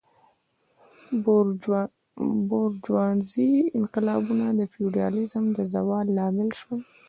بورژوازي انقلابونه د فیوډالیزم د زوال لامل شول.